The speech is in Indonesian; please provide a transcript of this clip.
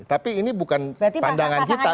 tapi ini bukan pandangan kita